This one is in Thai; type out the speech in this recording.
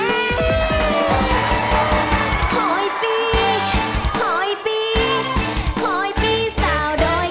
ขอยปี้ขอยปี้ขอยปี้สาวดอย